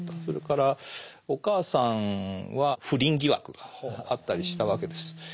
それからお母さんは不倫疑惑があったりしたわけです。